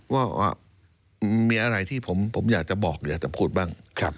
ว่ามีอะไรที่ผมอยากจะบอกอยากจะพูดบ้าง